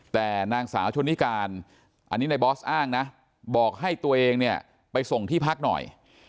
แต่นางสาวชนนิการอันนี้ในบอสอ้างนะบอกให้ตัวเองเนี่ยไปส่งที่พักหน่อย